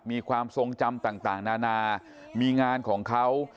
มีความทรงจำต่างนานามีงานของเขา